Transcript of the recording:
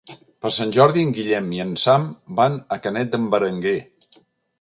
Per Sant Jordi en Guillem i en Sam van a Canet d'en Berenguer.